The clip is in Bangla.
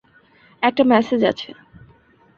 একটা মেসেজ আছে।